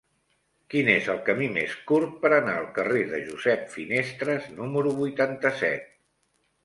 Quin és el camí més curt per anar al carrer de Josep Finestres número vuitanta-set?